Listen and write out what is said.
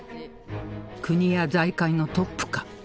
国や財界のトップか？